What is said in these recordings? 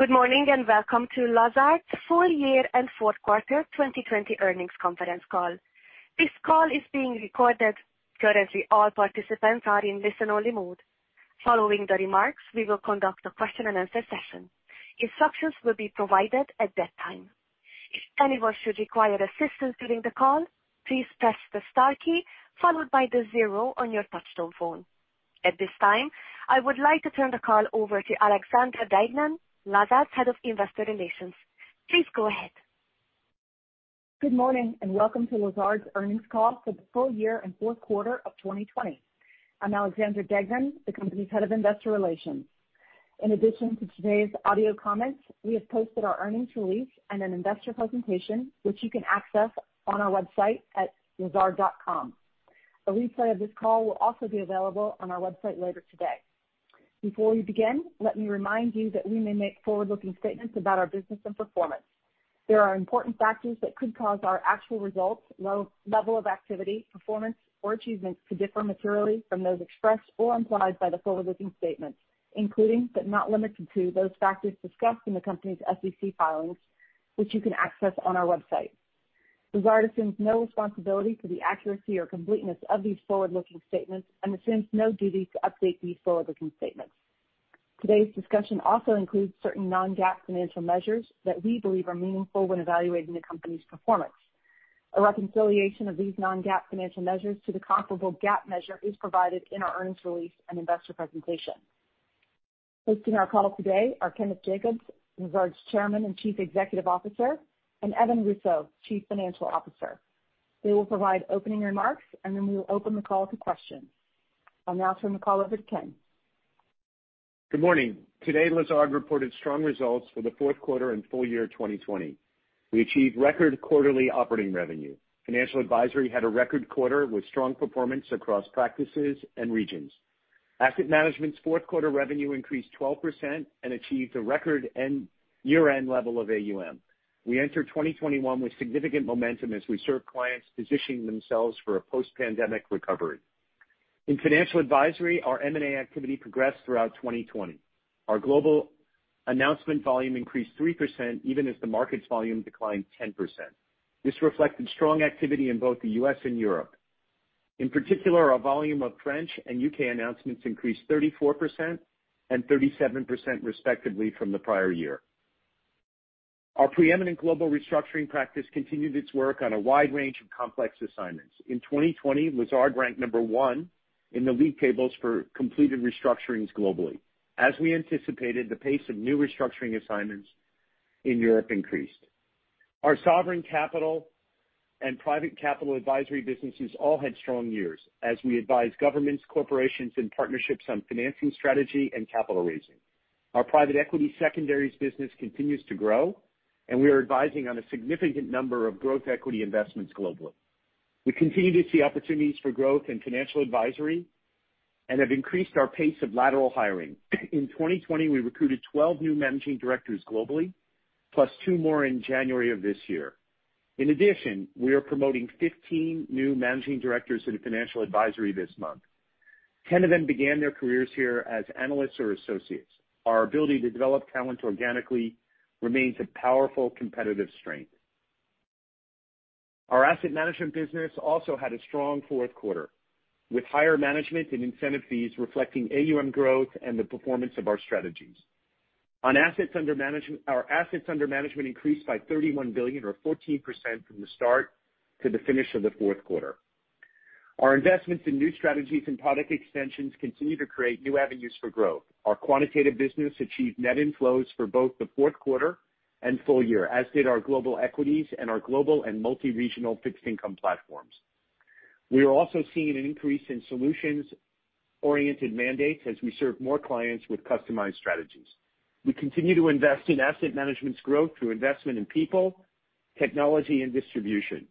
Good morning and welcome to Lazard's Full Year and Fourth Quarter 2020 Earnings Conference Call. This call is being recorded. Currently, all participants are in listen-only mode. Following the remarks, we will conduct a question-and-answer session. Instructions will be provided at that time. If anyone should require assistance during the call, please press the star key followed by the zero on your touchtone phone. At this time, I would like to turn the call over to Alexandra Deignan, Lazard's head of investor relations. Please go ahead. Good morning and welcome to Lazard's Earnings Call for the full year and Fourth quarter of 2020. I'm Alexandra Deignan, the company's head of Investor Relations. In addition to today's audio comments, we have posted our earnings release and an investor presentation, which you can access on our website at lazard.com. A replay of this call will also be available on our website later today. Before we begin, let me remind you that we may make forward-looking statements about our business and performance. There are important factors that could cause our actual results, level of activity, performance, or achievements to differ materially from those expressed or implied by the forward-looking statements, including, but not limited to, those factors discussed in the company's SEC filings, which you can access on our website. Lazard assumes no responsibility for the accuracy or completeness of these forward-looking statements and assumes no duty to update these forward-looking statements. Today's discussion also includes certain non-GAAP financial measures that we believe are meaningful when evaluating the company's performance. A reconciliation of these non-GAAP financial measures to the comparable GAAP measure is provided in our earnings release and investor presentation. Hosting our call today are Kenneth Jacobs, Lazard's Chairman and Chief Executive Officer, and Evan Russo, Chief Financial Officer. They will provide opening remarks, and then we will open the call to questions. I'll now turn the call over to Kenneth. Good morning. Today, Lazard reported strong results for the fourth quarter and full year 2020. We achieved record quarterly operating revenue. Financial Advisory had a record quarter with strong performance across practices and regions. Asset Management's fourth quarter revenue increased 12% and achieved a record year-end level of AUM. We entered 2021 with significant momentum as we served clients, positioning themselves for a post-pandemic recovery. In Financial Advisory, our M&A activity progressed throughout 2020. Our global announcement volume increased 3%, even as the market's volume declined 10%. This reflected strong activity in both the U.S. and Europe. In particular, our volume of French and U.K. announcements increased 34% and 37%, respectively, from the prior year. Our preeminent global restructuring practice continued its work on a wide range of complex assignments. In 2020, Lazard ranked number one in the league tables for completed restructurings globally. As we anticipated, the pace of new restructuring assignments in Europe increased. Our sovereign capital and private capital advisory businesses all had strong years, as we advised governments, corporations, and partnerships on financing strategy and capital raising. Our private equity secondaries business continues to grow, and we are advising on a significant number of growth equity investments globally. We continue to see opportunities for growth in Financial Advisory and have increased our pace of lateral hiring. In 2020, we recruited 12 new managing directors globally, plus two more in January of this year. In addition, we are promoting 15 new managing directors into Financial Advisory this month. 10 of them began their careers here as analysts or associates. Our ability to develop talent organically remains a powerful competitive strength. Our Asset Management business also had a strong fourth quarter, with higher management and incentive fees reflecting AUM growth and the performance of our strategies. Our assets under management increased by $31 billion, or 14%, from the start to the finish of the fourth quarter. Our investments in new strategies and product extensions continue to create new avenues for growth. Our quantitative business achieved net inflows for both the fourth quarter and full year, as did our global equities and our global and multi-regional fixed income platforms. We are also seeing an increase in solutions-oriented mandates as we serve more clients with customized strategies. We continue to invest in Asset Management's growth through investment in people, technology, and distribution,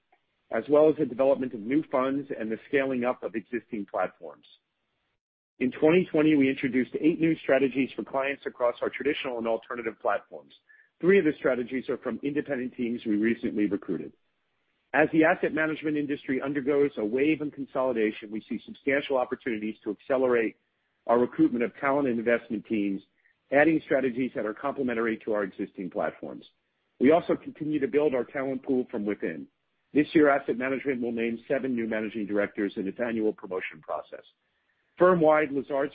as well as the development of new funds and the scaling up of existing platforms. In 2020, we introduced eight new strategies for clients across our traditional and alternative platforms. Three of the strategies are from independent teams we recently recruited. As the Asset Management industry undergoes a wave of consolidation, we see substantial opportunities to accelerate our recruitment of talent and investment teams, adding strategies that are complementary to our existing platforms. We also continue to build our talent pool from within. This year, Asset Management will name seven new managing directors in its annual promotion process. Firm-wide, Lazard's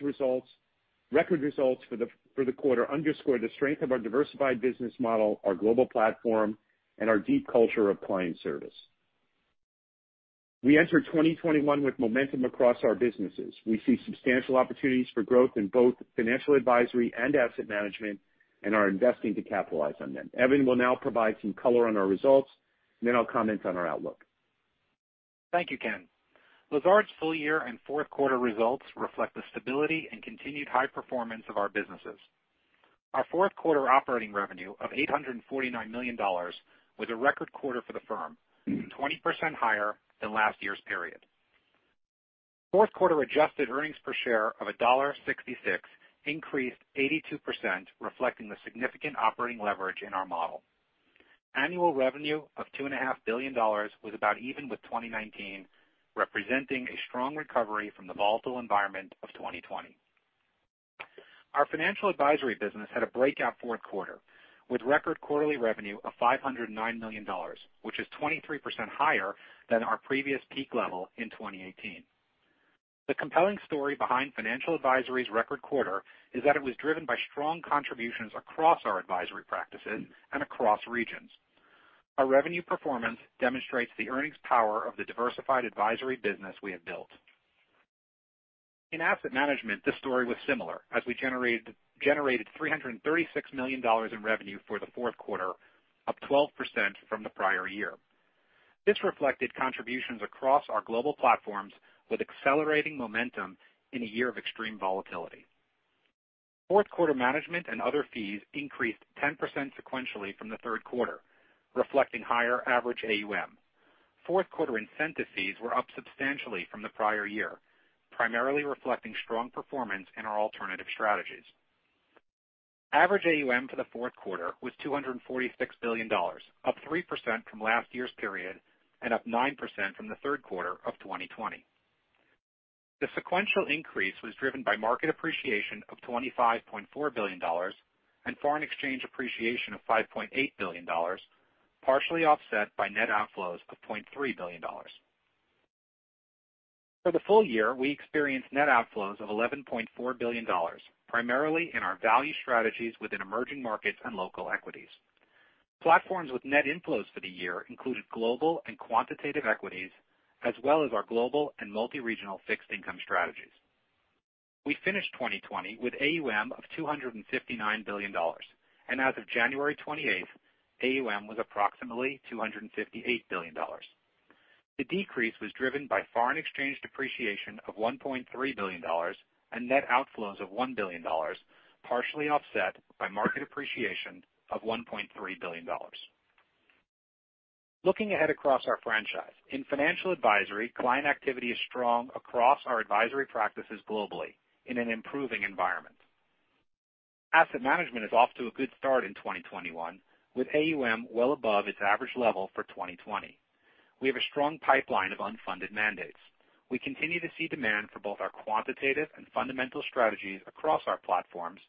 record results for the quarter underscore the strength of our diversified business model, our global platform, and our deep culture of client service. We entered 2021 with momentum across our businesses. We see substantial opportunities for growth in both Financial Advisory and Asset Management, and are investing to capitalize on them. Evan will now provide some color on our results, and then I'll comment on our outlook. Thank you, Kenneth. Lazard's full year and fourth quarter results reflect the stability and continued high performance of our businesses. Our fourth quarter operating revenue of $849 million was a record quarter for the firm, 20% higher than last year's period. Fourth quarter adjusted earnings per share of $1.66 increased 82%, reflecting the significant operating leverage in our model. Annual revenue of $2.5 billion was about even with 2019, representing a strong recovery from the volatile environment of 2020. Our Financial Advisory business had a breakout fourth quarter with record quarterly revenue of $509 million, which is 23% higher than our previous peak level in 2018. The compelling story behind Financial Advisory's record quarter is that it was driven by strong contributions across our advisory practices and across regions. Our revenue performance demonstrates the earnings power of the diversified advisory business we have built. In Asset Management, the story was similar, as we generated $336 million in revenue for the fourth quarter, up 12% from the prior year. This reflected contributions across our global platforms with accelerating momentum in a year of extreme volatility. Fourth quarter management and other fees increased 10% sequentially from the third quarter, reflecting higher average AUM. Fourth quarter incentive fees were up substantially from the prior year, primarily reflecting strong performance in our alternative strategies. Average AUM for the fourth quarter was $246 billion, up 3% from last year's period and up 9% from the third quarter of 2020. The sequential increase was driven by market appreciation of $25.4 billion and foreign exchange appreciation of $5.8 billion, partially offset by net outflows of $0.3 billion. For the full year, we experienced net outflows of $11.4 billion, primarily in our value strategies within emerging markets and local equities. Platforms with net inflows for the year included global and quantitative equities, as well as our global and multi-regional fixed income strategies. We finished 2020 with AUM of $259 billion, and as of January 28th, AUM was approximately $258 billion. The decrease was driven by foreign exchange depreciation of $1.3 billion and net outflows of $1 billion, partially offset by market appreciation of $1.3 billion. Looking ahead across our franchise, in Financial Advisory, client activity is strong across our advisory practices globally in an improving environment. Asset Management is off to a good start in 2021, with AUM well above its average level for 2020. We have a strong pipeline of unfunded mandates. We continue to see demand for both our quantitative and fundamental strategies across our platforms,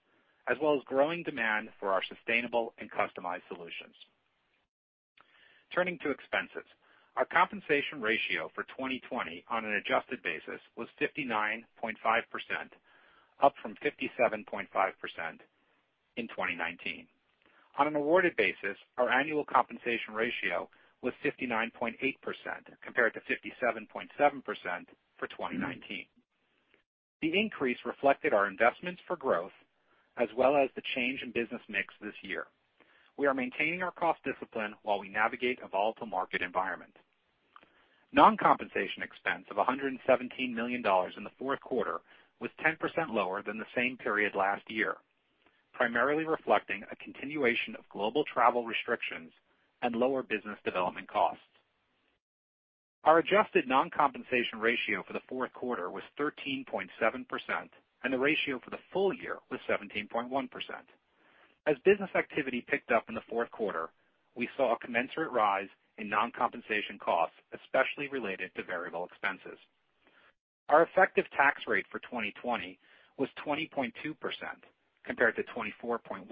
as well as growing demand for our sustainable and customized solutions. Turning to expenses, our compensation ratio for 2020 on an adjusted basis was 59.5%, up from 57.5% in 2019. On an awarded basis, our annual compensation ratio was 59.8%, compared to 57.7% for 2019. The increase reflected our investments for growth, as well as the change in business mix this year. We are maintaining our cost discipline while we navigate a volatile market environment. Non-compensation expense of $117 million in the fourth quarter was 10% lower than the same period last year, primarily reflecting a continuation of global travel restrictions and lower business development costs. Our adjusted non-compensation ratio for the fourth quarter was 13.7%, and the ratio for the full year was 17.1%. As business activity picked up in the fourth quarter, we saw a commensurate rise in non-compensation costs, especially related to variable expenses. Our effective tax rate for 2020 was 20.2%, compared to 24.1%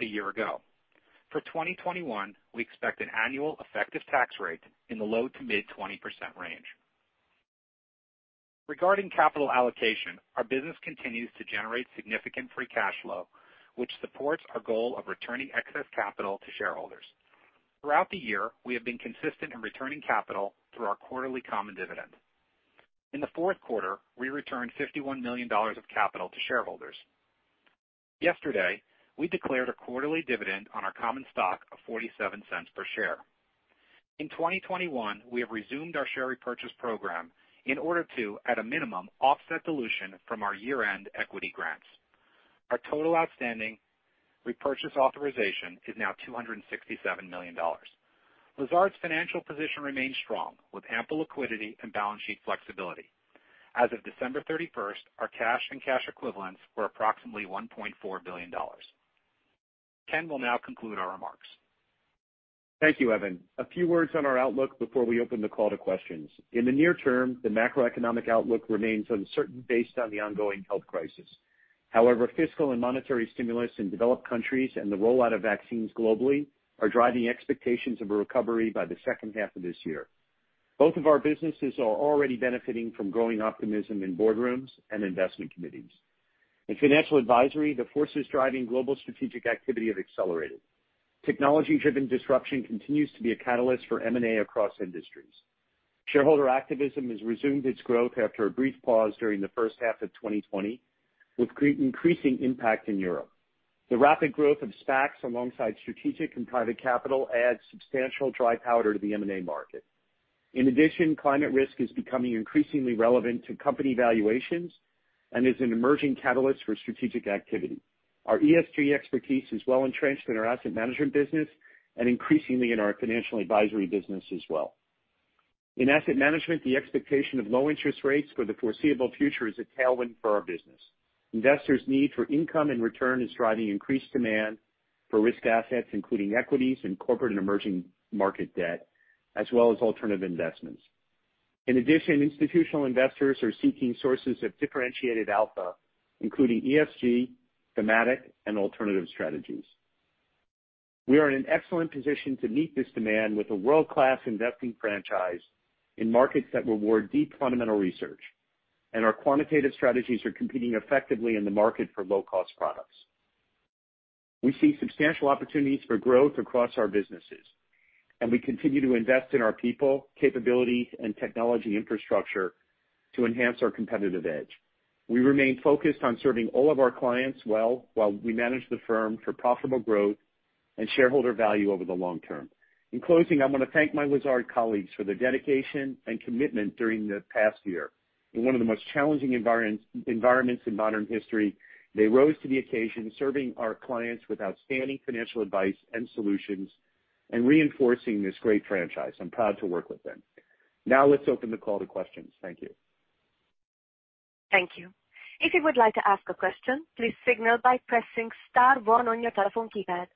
a year ago. For 2021, we expect an annual effective tax rate in the low to mid-20% range. Regarding capital allocation, our business continues to generate significant free cash flow, which supports our goal of returning excess capital to shareholders. Throughout the year, we have been consistent in returning capital through our quarterly common dividend. In the fourth quarter, we returned $51 million of capital to shareholders. Yesterday, we declared a quarterly dividend on our common stock of $0.47 per share. In 2021, we have resumed our share repurchase program in order to, at a minimum, offset dilution from our year-end equity grants. Our total outstanding repurchase authorization is now $267 million. Lazard's financial position remains strong, with ample liquidity and balance sheet flexibility. As of December 31st, our cash and cash equivalents were approximately $1.4 billion. Kenneth will now conclude our remarks. Thank you, Evan. A few words on our outlook before we open the call to questions. In the near term, the macroeconomic outlook remains uncertain based on the ongoing health crisis. However, fiscal and monetary stimulus in developed countries and the rollout of vaccines globally are driving expectations of a recovery by the second half of this year. Both of our businesses are already benefiting from growing optimism in boardrooms and investment committees. In Financial Advisory, the forces driving global strategic activity have accelerated. Technology-driven disruption continues to be a catalyst for M&A across industries. Shareholder activism has resumed its growth after a brief pause during the first half of 2020, with increasing impact in Europe. The rapid growth of SPACs alongside strategic and private capital adds substantial dry powder to the M&A market. In addition, climate risk is becoming increasingly relevant to company valuations and is an emerging catalyst for strategic activity. Our ESG expertise is well entrenched in our Asset Management business and increasingly in our Financial Advisory business as well. In Asset Management, the expectation of low interest rates for the foreseeable future is a tailwind for our business. Investors' need for income and return is driving increased demand for risk assets, including equities and corporate and emerging market debt, as well as alternative investments. In addition, institutional investors are seeking sources of differentiated alpha, including ESG, thematic, and alternative strategies. We are in an excellent position to meet this demand with a world-class investing franchise in markets that reward deep fundamental research, and our quantitative strategies are competing effectively in the market for low-cost products. We see substantial opportunities for growth across our businesses, and we continue to invest in our people, capability, and technology infrastructure to enhance our competitive edge. We remain focused on serving all of our clients well while we manage the firm for profitable growth and shareholder value over the long term. In closing, I want to thank my Lazard colleagues for their dedication and commitment during the past year. In one of the most challenging environments in modern history, they rose to the occasion, serving our clients with outstanding financial advice and solutions and reinforcing this great franchise. I'm proud to work with them. Now, let's open the call to questions. Thank you. Thank you. If you would like to ask a question, please signal by pressing star one on your telephone keypad.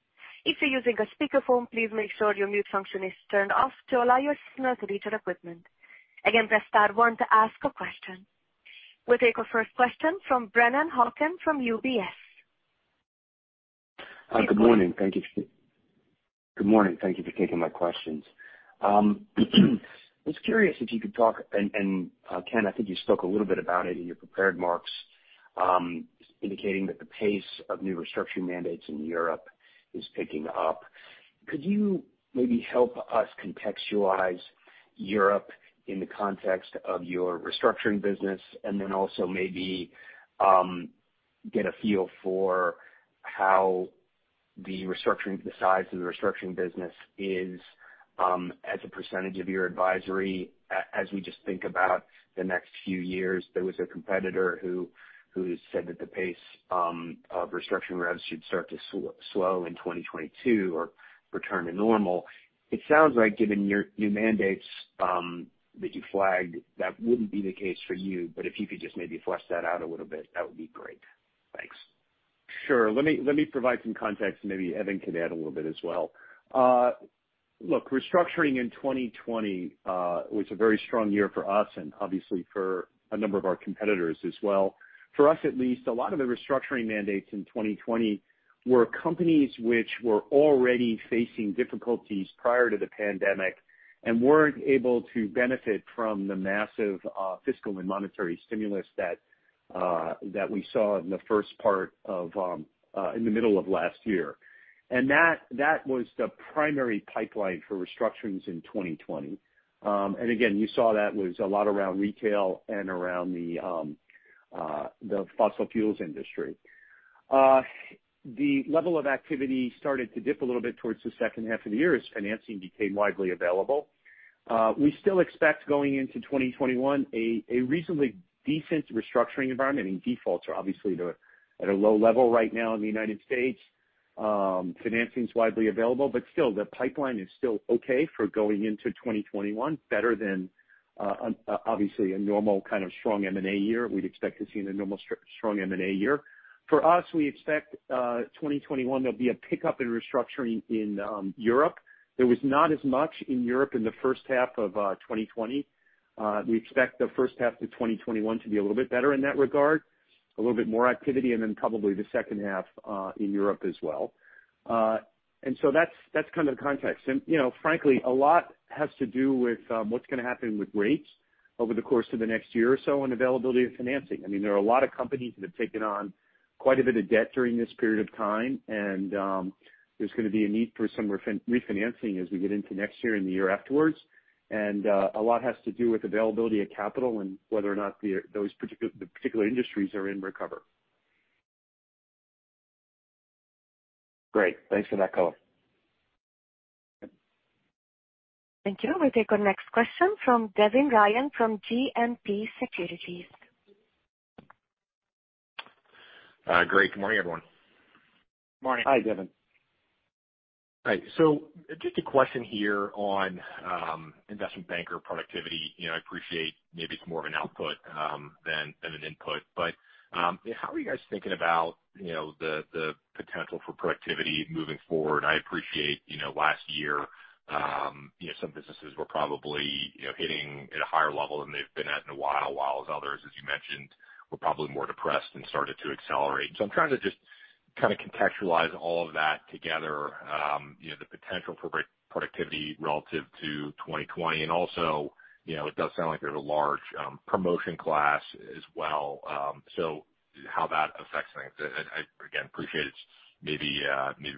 If you're using a speakerphone, please make sure your mute function is turned off to allow your signal to reach your equipment. Again, press star one to ask a question. We'll take our first question from Brennan Hawken from UBS. Good morning. Thank you for taking my questions. I was curious if you could talk, and Kenneth, I think you spoke a little bit about it in your prepared marks, indicating that the pace of new restructuring mandates in Europe is picking up. Could you maybe help us contextualize Europe in the context of your restructuring business, and then also maybe get a feel for how the size of the restructuring business is as a percentage of your advisory as we just think about the next few years? There was a competitor who said that the pace of restructuring revenues should start to slow in 2022 or return to normal. It sounds like, given your new mandates that you flagged, that would not be the case for you. If you could just maybe flesh that out a little bit, that would be great. Thanks. Sure. Let me provide some context. Maybe Evan can add a little bit as well. Look, restructuring in 2020 was a very strong year for us and obviously for a number of our competitors as well. For us, at least, a lot of the restructuring mandates in 2020 were companies which were already facing difficulties prior to the pandemic and were not able to benefit from the massive fiscal and monetary stimulus that we saw in the first part of—in the middle of last year. That was the primary pipeline for restructurings in 2020. You saw that was a lot around retail and around the fossil fuels industry. The level of activity started to dip a little bit towards the second half of the year as financing became widely available. We still expect, going into 2021, a reasonably decent restructuring environment. I mean, defaults are obviously at a low level right now in the U.S. Financing's widely available. Still, the pipeline is still okay for going into 2021, better than obviously a normal kind of strong M&A year. We'd expect to see a normal strong M&A year. For us, we expect 2021 there'll be a pickup in restructuring in Europe. There was not as much in Europe in the first half of 2020. We expect the first half of 2021 to be a little bit better in that regard, a little bit more activity, and probably the second half in Europe as well. That's kind of the context. Frankly, a lot has to do with what's going to happen with rates over the course of the next year or so and availability of financing. I mean, there are a lot of companies that have taken on quite a bit of debt during this period of time, and there's going to be a need for some refinancing as we get into next year and the year afterwards. A lot has to do with availability of capital and whether or not the particular industries are in recover. Great. Thanks for that call. Thank you. We'll take our next question from Devin Ryan from JMP Securities. Great. Good morning, everyone. Good morning. Hi, Devin. All right. Just a question here on investment banker productivity. I appreciate maybe it's more of an output than an input. How are you guys thinking about the potential for productivity moving forward? I appreciate last year some businesses were probably hitting at a higher level than they've been at in a while, while others, as you mentioned, were probably more depressed and started to accelerate. I'm trying to just kind of contextualize all of that together, the potential for productivity relative to 2020. Also, it does sound like there's a large promotion class as well. How that affects things. Again, appreciate it's maybe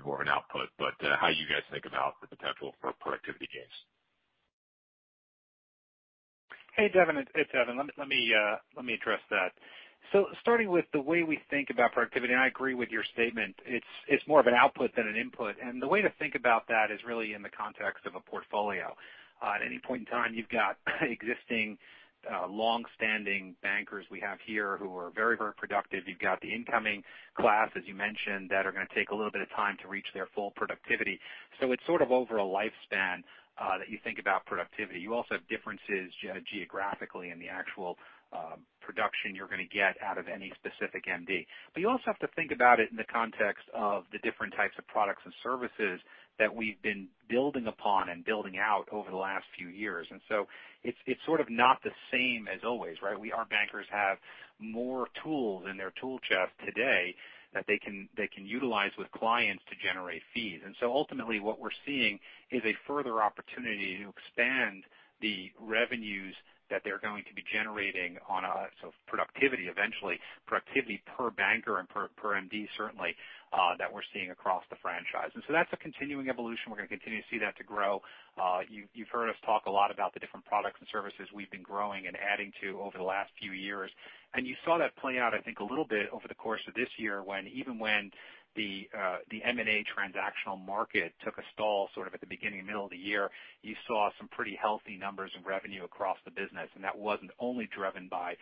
more of an output. How do you guys think about the potential for productivity gains? Hey, Devin. It's Evan. Let me address that. Starting with the way we think about productivity, and I agree with your statement, it's more of an output than an input. The way to think about that is really in the context of a portfolio. At any point in time, you've got existing long-standing bankers we have here who are very, very productive. You've got the incoming class, as you mentioned, that are going to take a little bit of time to reach their full productivity. It's sort of over a lifespan that you think about productivity. You also have differences geographically in the actual production you're going to get out of any specific MD. You also have to think about it in the context of the different types of products and services that we've been building upon and building out over the last few years. It is sort of not the same as always, right? Our bankers have more tools in their tool chest today that they can utilize with clients to generate fees. Ultimately, what we are seeing is a further opportunity to expand the revenues that they are going to be generating on a—so productivity, eventually, productivity per banker and per MD, certainly, that we are seeing across the franchise. That is a continuing evolution. We are going to continue to see that grow. You have heard us talk a lot about the different products and services we have been growing and adding to over the last few years. You saw that play out, I think, a little bit over the course of this year when, even when the M&A transactional market took a stall sort of at the beginning and middle of the year, you saw some pretty healthy numbers of revenue across the business. That was not only driven by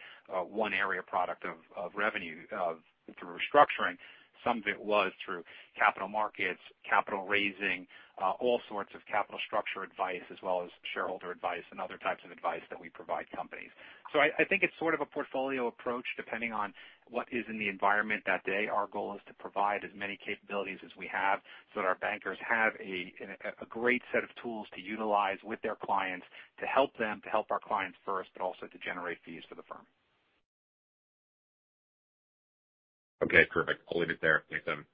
one area product of revenue through restructuring. Some of it was through capital markets, capital raising, all sorts of capital structure advice, as well as shareholder advice and other types of advice that we provide companies. I think it is sort of a portfolio approach depending on what is in the environment that day. Our goal is to provide as many capabilities as we have so that our bankers have a great set of tools to utilize with their clients to help them, to help our clients first, but also to generate fees for the firm. Okay. Perfect. I'll leave it there. Thanks, Evan.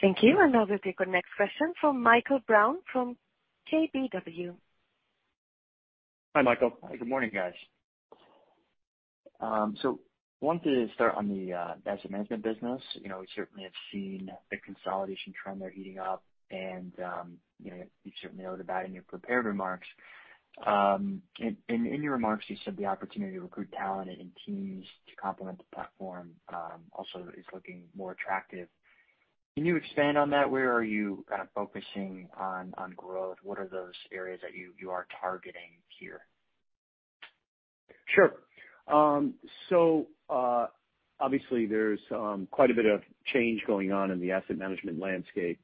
Thank you. Now we'll take our next question from Michael Brown from KBW. Hi, Michael. Good morning, guys. I wanted to start on the Asset Management business. We certainly have seen the consolidation trend there heating up, and you have certainly noted that in your prepared remarks. In your remarks, you said the opportunity to recruit talent and teams to complement the platform also is looking more attractive. Can you expand on that? Where are you kind of focusing on growth? What are those areas that you are targeting here? Sure. Obviously, there is quite a bit of change going on in the Asset Management landscape.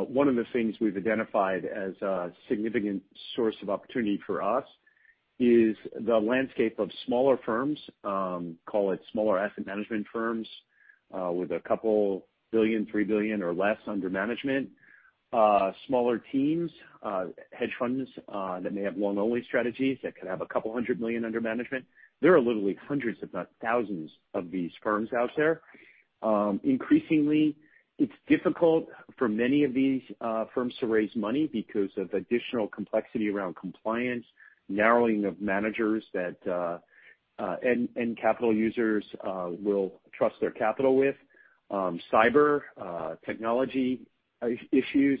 One of the things we have identified as a significant source of opportunity for us is the landscape of smaller firms, call it smaller Asset Management firms with a couple billion, three billion, or less under management, smaller teams, hedge funds that may have long-only strategies that could have a couple hundred million under management. There are literally hundreds, if not thousands, of these firms out there. Increasingly, it's difficult for many of these firms to raise money because of additional complexity around compliance, narrowing of managers that end capital users will trust their capital with, cyber technology issues.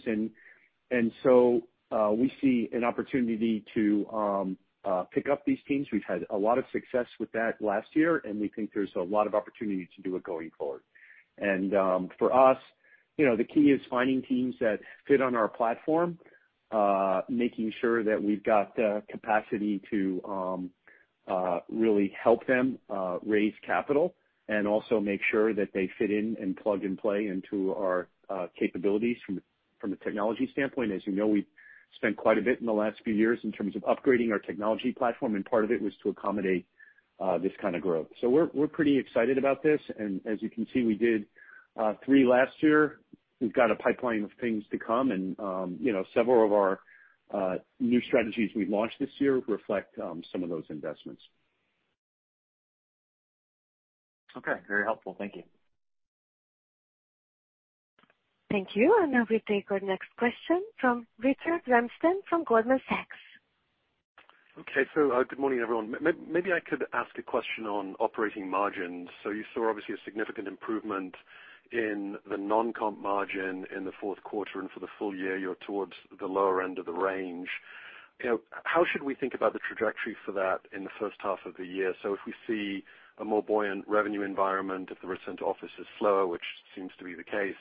We see an opportunity to pick up these teams. We've had a lot of success with that last year, and we think there's a lot of opportunity to do it going forward. For us, the key is finding teams that fit on our platform, making sure that we've got capacity to really help them raise capital and also make sure that they fit in and plug and play into our capabilities from a technology standpoint. As you know, we've spent quite a bit in the last few years in terms of upgrading our technology platform, and part of it was to accommodate this kind of growth. We are pretty excited about this. As you can see, we did three last year. We've got a pipeline of things to come, and several of our new strategies we've launched this year reflect some of those investments. Okay. Very helpful. Thank you. Thank you. Now we take our next question from Richard Ramsden from Goldman Sachs. Okay. Good morning, everyone. Maybe I could ask a question on operating margins. You saw obviously a significant improvement in the non-comp margin in the fourth quarter, and for the full year, you're towards the lower end of the range. How should we think about the trajectory for that in the first half of the year? If we see a more buoyant revenue environment, if the return to office is slower, which seems to be the case,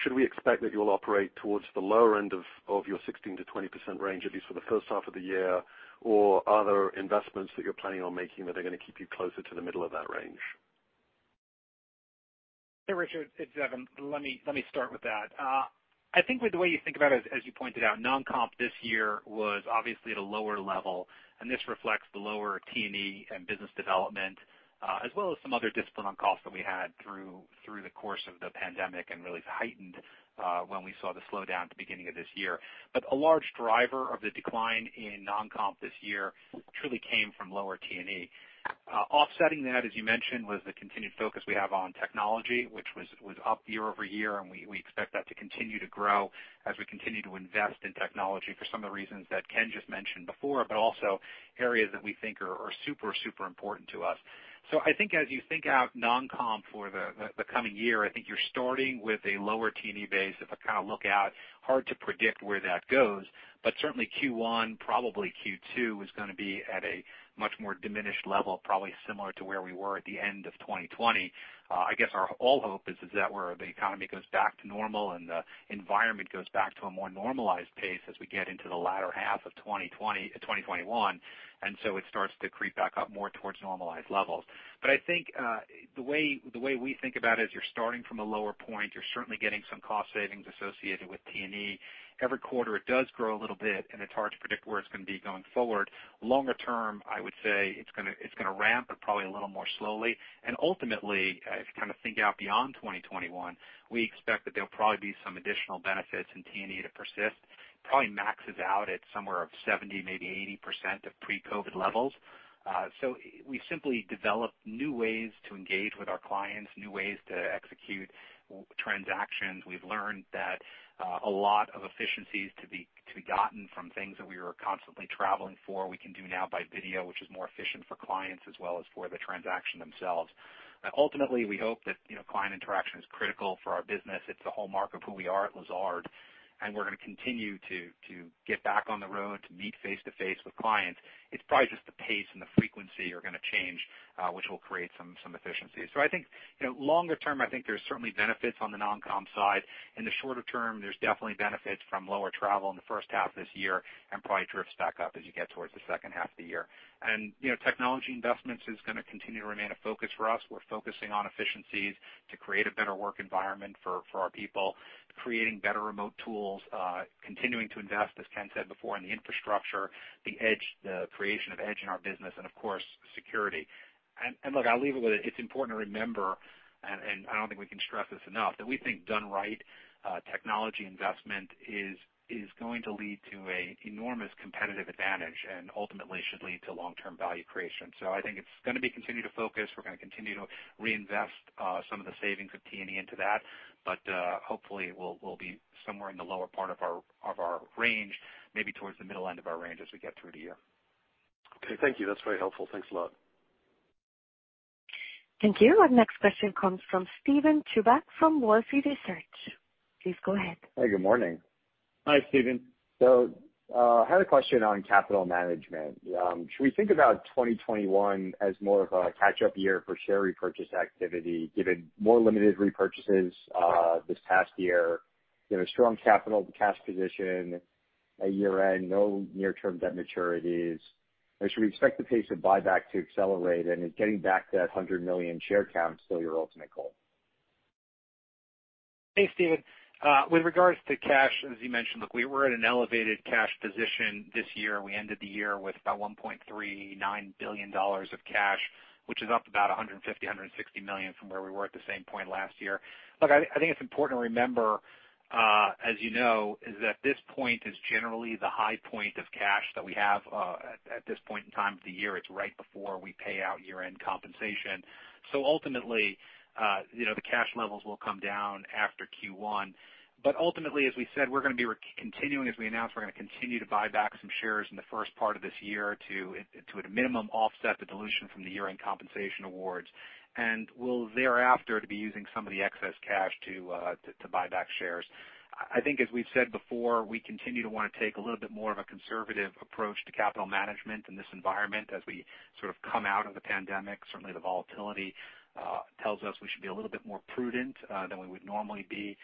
should we expect that you'll operate towards the lower end of your 16-20% range, at least for the first half of the year, or are there investments that you're planning on making that are going to keep you closer to the middle of that range? Hey, Richard. It's Evan. Let me start with that. I think with the way you think about it, as you pointed out, non-comp this year was obviously at a lower level. This reflects the lower T&E and business development, as well as some other discipline on costs that we had through the course of the pandemic and really heightened when we saw the slowdown at the beginning of this year. A large driver of the decline in non-comp this year truly came from lower T&E. Offsetting that, as you mentioned, was the continued focus we have on technology, which was up year over year, and we expect that to continue to grow as we continue to invest in technology for some of the reasons that Ken just mentioned before, but also areas that we think are super, super important to us. I think as you think out non-comp for the coming year, I think you're starting with a lower T&E base if I kind of look out. Hard to predict where that goes. Certainly, Q1, probably Q2 is going to be at a much more diminished level, probably similar to where we were at the end of 2020. I guess our all hope is that where the economy goes back to normal and the environment goes back to a more normalized pace as we get into the latter half of 2021, and so it starts to creep back up more towards normalized levels. I think the way we think about it is you're starting from a lower point. You're certainly getting some cost savings associated with T&E. Every quarter, it does grow a little bit, and it's hard to predict where it's going to be going forward. Longer term, I would say it's going to ramp, but probably a little more slowly. Ultimately, if you kind of think out beyond 2021, we expect that there'll probably be some additional benefits in T&E to persist. Probably maxes out at somewhere of 70-80% of pre-COVID levels. We've simply developed new ways to engage with our clients, new ways to execute transactions. We've learned that a lot of efficiencies to be gotten from things that we were constantly traveling for, we can do now by video, which is more efficient for clients as well as for the transactions themselves. Ultimately, we hope that client interaction is critical for our business. It's a hallmark of who we are at Lazard. We're going to continue to get back on the road to meet face-to-face with clients. It's probably just the pace and the frequency are going to change, which will create some efficiencies. I think longer term, I think there's certainly benefits on the non-comp side. In the shorter term, there's definitely benefits from lower travel in the first half of this year and probably drifts back up as you get towards the second half of the year. Technology investments is going to continue to remain a focus for us. We're focusing on efficiencies to create a better work environment for our people, creating better remote tools, continuing to invest, as Ken said before, in the infrastructure, the creation of edge in our business, and of course, security. Look, I'll leave it with it. It's important to remember, and I don't think we can stress this enough, that we think done right, technology investment is going to lead to an enormous competitive advantage and ultimately should lead to long-term value creation. I think it's going to be continued to focus. We're going to continue to reinvest some of the savings of T&E into that. Hopefully, we'll be somewhere in the lower part of our range, maybe towards the middle end of our range as we get through the year. Okay. Thank you. That's very helpful. Thanks a lot. Thank you. Our next question comes from Steven Chubak from Wolfe Research. Please go ahead. Hey, good morning. Hi, Steven. I had a question on capital management. Should we think about 2021 as more of a catch-up year for share repurchase activity, given more limited repurchases this past year, strong capital cash position at year-end, no near-term debt maturities? Should we expect the pace of buyback to accelerate? Is getting back to that 100 million share count still your ultimate goal? Thanks, Steven. With regards to cash, as you mentioned, look, we were at an elevated cash position this year. We ended the year with about $1.39 billion of cash, which is up about 150-160 million from where we were at the same point last year. I think it's important to remember, as you know, that this point is generally the high point of cash that we have at this point in time of the year. It's right before we pay out year-end compensation. Ultimately, the cash levels will come down after Q1. Ultimately, as we said, we're going to be continuing, as we announced, we're going to continue to buy back some shares in the first part of this year to, at a minimum, offset the dilution from the year-end compensation awards and will thereafter be using some of the excess cash to buy back shares. I think, as we've said before, we continue to want to take a little bit more of a conservative approach to capital management in this environment as we sort of come out of the pandemic. Certainly, the volatility tells us we should be a little bit more prudent than we would normally be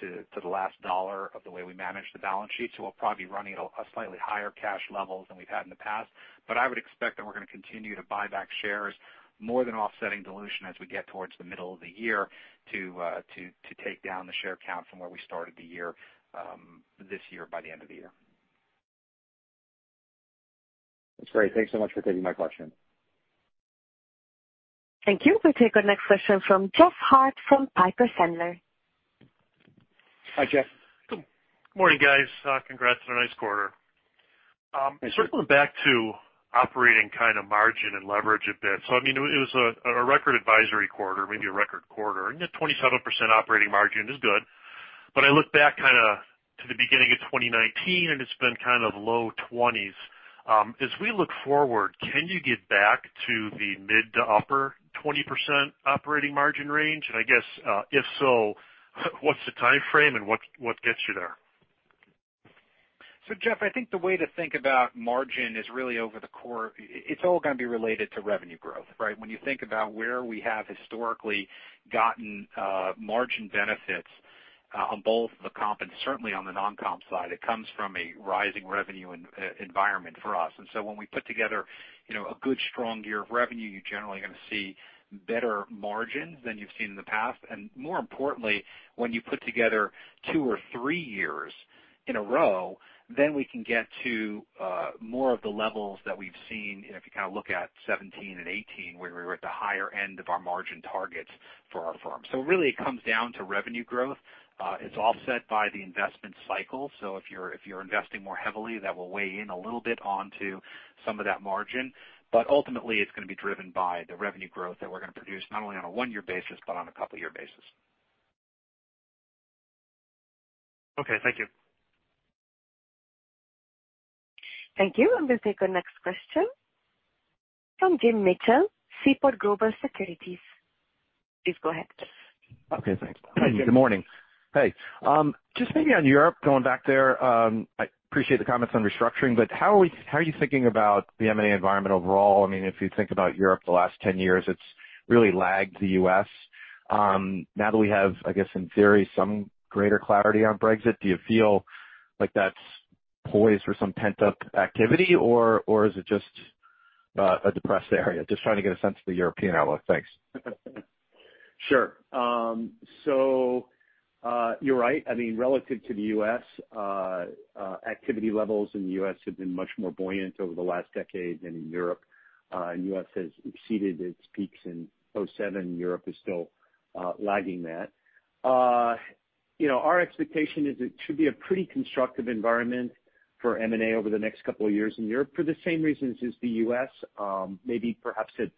to the last dollar of the way we manage the balance sheet. We'll probably be running at slightly higher cash levels than we've had in the past. I would expect that we're going to continue to buy back shares, more than offsetting dilution as we get towards the middle of the year, to take down the share count from where we started the year this year by the end of the year. That's great. Thanks so much for taking my question. Thank you. We take our next question from Jeff Harte from Piper Sandler. Hi, Jeff. Good morning, guys. Congrats on a nice quarter. I'm circling back to operating kind of margin and leverage a bit. I mean, it was a record advisory quarter, maybe a record quarter. The 27% operating margin is good. I look back kind of to the beginning of 2019, and it's been kind of low 2020s. As we look forward, can you get back to the mid to upper 20% operating margin range? I guess, if so, what's the time frame and what gets you there? Jeff, I think the way to think about margin is really over the core it's all going to be related to revenue growth, right? When you think about where we have historically gotten margin benefits on both the comp and certainly on the non-comp side, it comes from a rising revenue environment for us. When we put together a good, strong year of revenue, you're generally going to see better margins than you've seen in the past. More importantly, when you put together two or three years in a row, then we can get to more of the levels that we've seen if you kind of look at 2017 and 2018, where we were at the higher end of our margin targets for our firm. Really, it comes down to revenue growth. It's offset by the investment cycle. If you're investing more heavily, that will weigh in a little bit onto some of that margin. Ultimately, it's going to be driven by the revenue growth that we're going to produce not only on a one-year basis but on a couple-year basis. Okay. Thank you. Thank you. I'm going to take our next question from Jim Mitchell, Seaport Global Securities. Please go ahead. Okay. Thanks. Hi, Jim. Good morning. Hey. Just maybe on Europe, going back there, I appreciate the comments on restructuring, but how are you thinking about the M&A environment overall? I mean, if you think about Europe the last 10 years, it's really lagged the U.S. Now that we have, I guess, in theory, some greater clarity on Brexit, do you feel like that's poised for some pent-up activity, or is it just a depressed area? Just trying to get a sense of the European outlook. Thanks. Sure. You're right. I mean, relative to the U.S., activity levels in the U.S. have been much more buoyant over the last decade than in Europe. The U.S. has exceeded its peaks in 2007. Europe is still lagging that. Our expectation is it should be a pretty constructive environment for M&A over the next couple of years in Europe for the same reasons as the U.S., maybe perhaps at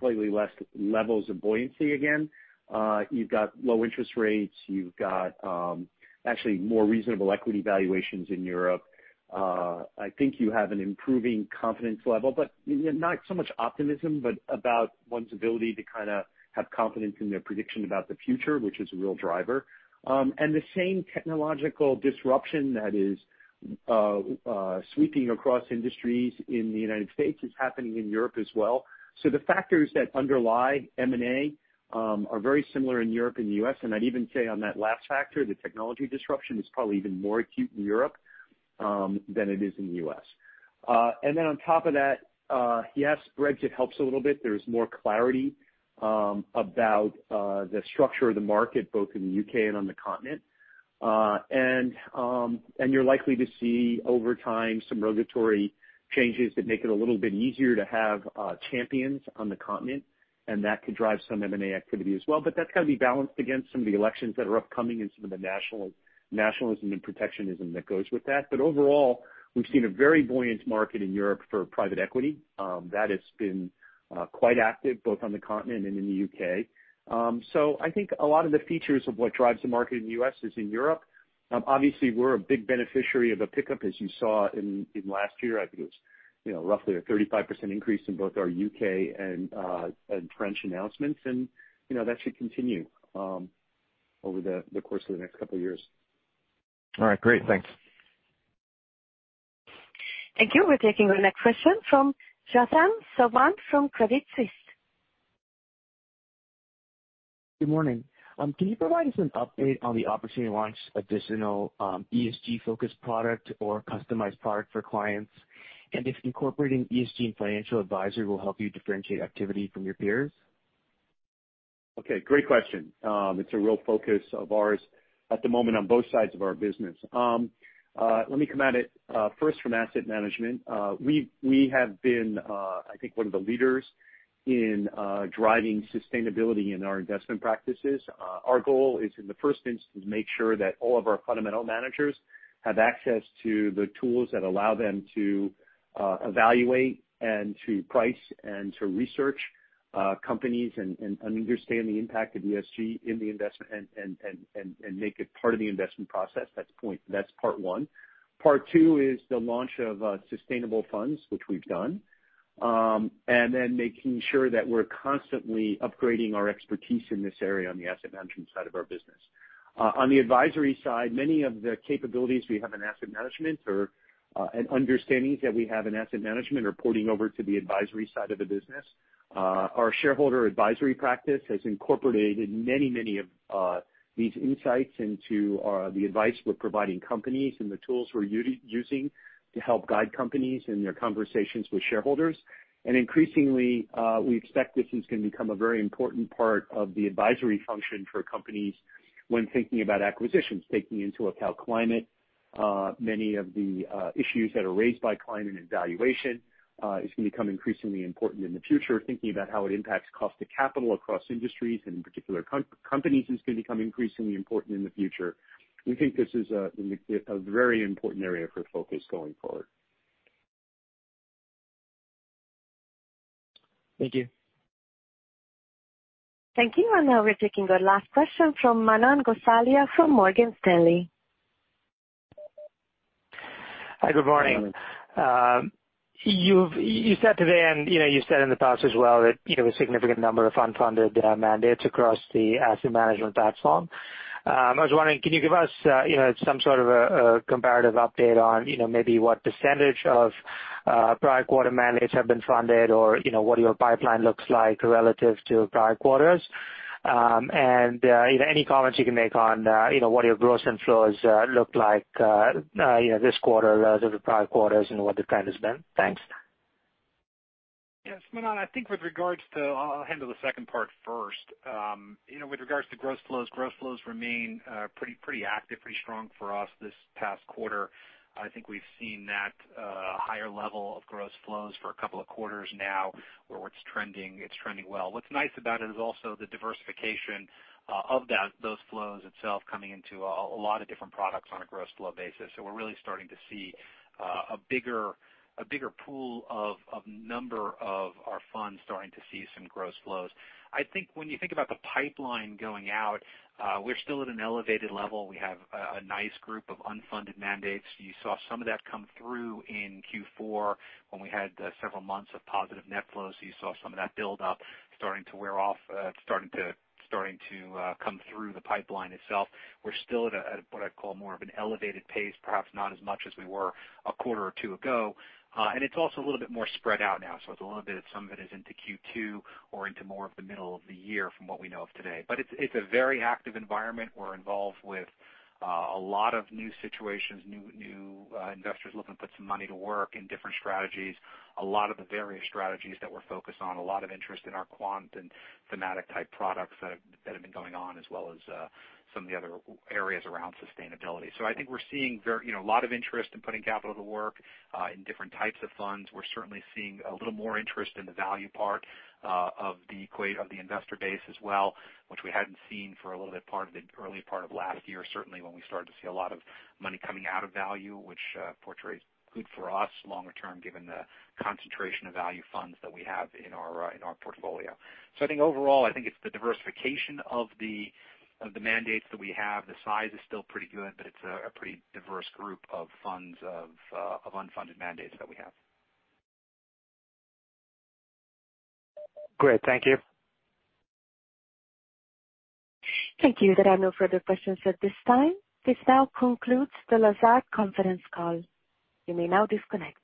slightly less levels of buoyancy again. You've got low interest rates. You've got actually more reasonable equity valuations in Europe. I think you have an improving confidence level, not so much optimism, but about one's ability to kind of have confidence in their prediction about the future, which is a real driver. The same technological disruption that is sweeping across industries in the United States is happening in Europe as well. The factors that underlie M&A are very similar in Europe and the U.S. I'd even say on that last factor, the technology disruption is probably even more acute in Europe than it is in the U.S. On top of that, yes, Brexit helps a little bit. There is more clarity about the structure of the market, both in the U.K. and on the continent. You're likely to see over time some regulatory changes that make it a little bit easier to have champions on the continent, and that could drive some M&A activity as well. That has to be balanced against some of the elections that are upcoming and some of the nationalism and protectionism that goes with that. Overall, we've seen a very buoyant market in Europe for private equity. That has been quite active, both on the continent and in the U.K. I think a lot of the features of what drives the market in the U.S. is in Europe. Obviously, we're a big beneficiary of a pickup, as you saw in last year. I think it was roughly a 35% increase in both our U.K. and French announcements. That should continue over the course of the next couple of years. All right. Great. Thanks. Thank you. We're taking our next question from Gautam Sawant from Credit Suisse. Good morning. Can you provide us an update on the opportunity to launch additional ESG-focused product or customized product for clients? If incorporating ESG in Financial Advisory will help you differentiate activity from your peers? Okay. Great question. It's a real focus of ours at the moment on both sides of our business. Let me come at it first from Asset Management. We have been, I think, one of the leaders in driving sustainability in our investment practices. Our goal is, in the first instance, to make sure that all of our fundamental managers have access to the tools that allow them to evaluate and to price and to research companies and understand the impact of ESG in the investment and make it part of the investment process. That's part one. Part two is the launch of sustainable funds, which we've done, and then making sure that we're constantly upgrading our expertise in this area on the Asset Management side of our business. On the advisory side, many of the capabilities we have in Asset Management or understandings that we have in Asset Management are porting over to the advisory side of the business. Our shareholder advisory practice has incorporated many, many of these insights into the advice we are providing companies and the tools we are using to help guide companies in their conversations with shareholders. Increasingly, we expect this is going to become a very important part of the advisory function for companies when thinking about acquisitions, taking into account climate, many of the issues that are raised by climate and valuation is going to become increasingly important in the future. Thinking about how it impacts cost of capital across industries and in particular companies is going to become increasingly important in the future. We think this is a very important area for focus going forward. Thank you. Thank you. Now we are taking our last question from Manan Gosalia from Morgan Stanley. Hi. Good morning. Good morning. You said today, and you've said in the past as well, that there was a significant number of unfunded mandates across the Asset Management platform. I was wondering, can you give us some sort of a comparative update on maybe what percentage of prior quarter mandates have been funded or what your pipeline looks like relative to prior quarters? Any comments you can make on what your gross inflows look like this quarter relative to prior quarters and what the trend has been? Thanks. Yes. Manan, I think with regards to I'll handle the second part first. With regards to gross flows, gross flows remain pretty active, pretty strong for us this past quarter. I think we've seen that higher level of gross flows for a couple of quarters now where it's trending well. What's nice about it is also the diversification of those flows itself coming into a lot of different products on a gross flow basis. We are really starting to see a bigger pool of number of our funds starting to see some gross flows. I think when you think about the pipeline going out, we are still at an elevated level. We have a nice group of unfunded mandates. You saw some of that come through in Q4 when we had several months of positive net flows. You saw some of that buildup starting to wear off, starting to come through the pipeline itself. We're still at what I'd call more of an elevated pace, perhaps not as much as we were a quarter or two ago. It is also a little bit more spread out now. A little bit of some of it is into Q2 or into more of the middle of the year from what we know of today. It is a very active environment. We're involved with a lot of new situations, new investors looking to put some money to work in different strategies, a lot of the various strategies that we're focused on, a lot of interest in our quant and thematic-type products that have been going on, as well as some of the other areas around sustainability. I think we're seeing a lot of interest in putting capital to work in different types of funds. We're certainly seeing a little more interest in the value part of the investor base as well, which we hadn't seen for a little bit part of the early part of last year, certainly when we started to see a lot of money coming out of value, which portrays good for us longer term given the concentration of value funds that we have in our portfolio. I think overall, I think it's the diversification of the mandates that we have. The size is still pretty good, but it's a pretty diverse group of funds of unfunded mandates that we have. Great. Thank you. Thank you. There are no further questions at this time. This now concludes the Lazard Conference Call. You may now disconnect.